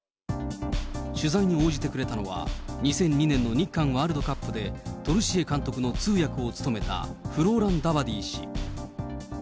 取材に応じてくれたのは、２００２年の日韓ワールドカップでトルシエ監督の通訳を務めたフローラン・ダバディ氏。